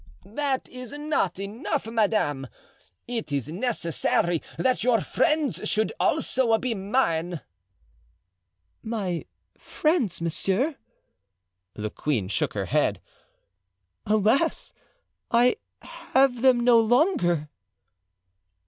"That is not enough madame, it is necessary that your friends should be also mine." "My friends, monsieur?" The queen shook her head. "Alas, I have them no longer!"